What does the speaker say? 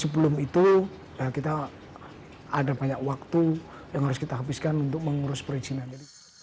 sebelum itu kita ada banyak waktu yang harus kita habiskan untuk mengurus perizinan